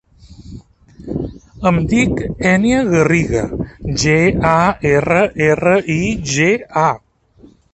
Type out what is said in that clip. Em dic Ènia Garriga: ge, a, erra, erra, i, ge, a.